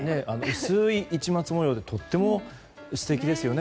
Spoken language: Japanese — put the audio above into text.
薄い市松模様でとても素敵ですよね。